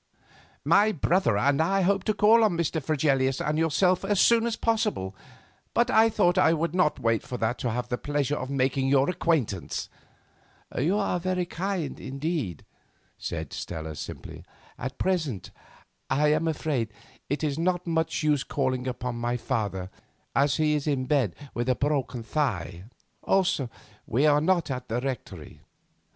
"My brother and I hope to call upon Mr. Fregelius and yourself as soon as possible, but I thought I would not wait for that to have the pleasure of making your acquaintance." "You are very kind indeed," said Stella simply. "At present, I am afraid, it is not much use calling upon my father, as he is in bed with a broken thigh; also, we are not at the Rectory.